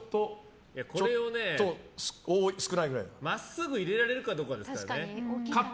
これを真っすぐ入れられるかどうかですからね。